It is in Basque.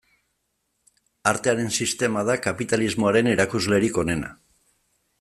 Artearen sistema da kapitalismoaren erakuslerik onena.